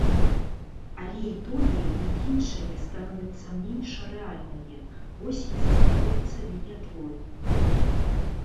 Але і тое, і іншае становіцца менш рэальнае, вось і застаецца біятлон.